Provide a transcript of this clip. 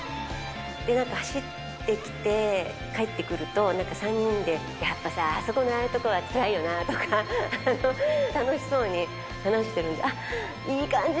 なんか走ってきて、帰ってくると、何か３人で、やっぱさ、あそこのああいう所つらいよなとか、楽しそうに話してるんで、いい感じ！